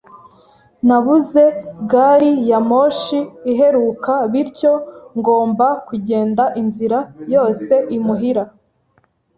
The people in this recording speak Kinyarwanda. Nabuze gari ya moshi iheruka, bityo ngomba kugenda inzira yose imuhira.